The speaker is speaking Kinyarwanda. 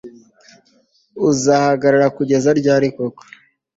uzahagarara kugeza ryari koko